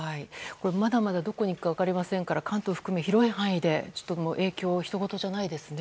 まだまだ、どこに行くか分かりませんから、関東含め広い範囲で影響、ひとごとじゃないですね。